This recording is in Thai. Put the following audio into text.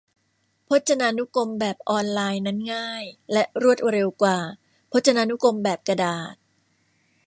พจนานุกรมแบบออนไลน์นั้นง่ายและรวดเร็วกว่าพจนานุกรมแบบกระดาษ